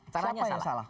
cara apa yang salah